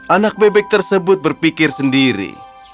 anak bebek tersebut berpikir sendiri